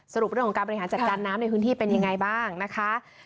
สรุปเรื่องของการบริหารจัดการน้ำในพื้นที่เป็นยังไงบ้างนะคะ